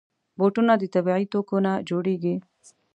بوټونه د طبعي توکو نه جوړېږي.